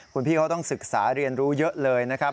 คุณพี่เขาต้องศึกษาเรียนรู้เยอะเลยนะครับ